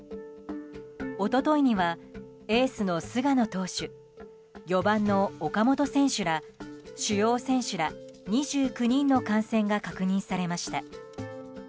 一昨日にはエースの菅野投手４番の岡本選手ら主要選手ら２９人の感染が確認されました。